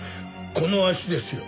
この足ですよ？